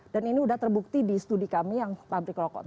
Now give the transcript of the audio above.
dan ini udah terbukti di studi kami yang pabrik loko tadi